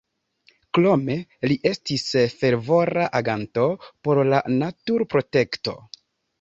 Krome li estis fervora aganto por la naturprotekto.